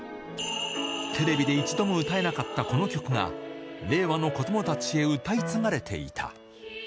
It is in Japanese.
テレビで一度も歌えなかったこの曲が、令和の子どもたちへ歌い継がれていた。